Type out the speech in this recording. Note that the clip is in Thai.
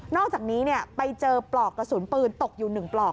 อกจากนี้ไปเจอปลอกกระสุนปืนตกอยู่๑ปลอก